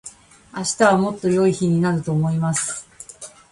明日はもっと良い日になると思います。